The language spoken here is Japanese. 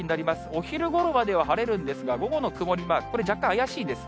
お昼ごろまでは晴れるんですが、午後の曇りマーク、これ、若干怪しいんです。